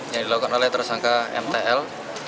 yang dilakukan oleh tersangka mtl